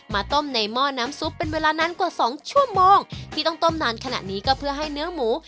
ต้มในหม้อน้ำซุปเป็นเวลานานกว่าสองชั่วโมงที่ต้องต้มนานขนาดนี้ก็เพื่อให้เนื้อหมู